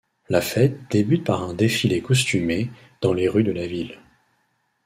La fête débute par un défilé costumé dans les rues de la ville.